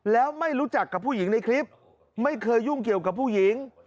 แล้วไม่รู้จักกับผู้หญิงในคลิปไม่เคยยุ่งเกี่ยวกับผู้หญิง